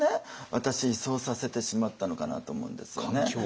私そうさせてしまったのかなと思うんですよね。